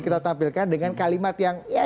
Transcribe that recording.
kita tampilkan dengan kalimat yang